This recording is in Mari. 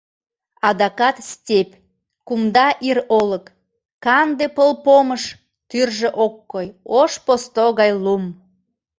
Адакат степь, кумда ир олык, канде пылпомыш, тӱржӧ ок кой — ош посто гай лум...